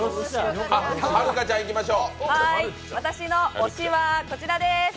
私の推しはこちらです。